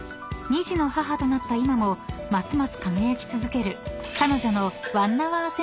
［２児の母となった今もますます輝き続ける彼女の］